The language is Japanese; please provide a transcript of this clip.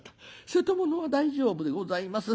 『瀬戸物は大丈夫でございます』